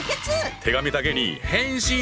手紙だけに「返信」！